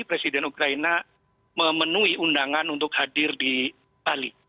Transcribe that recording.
presiden ukraina memenuhi undangan untuk hadir di bali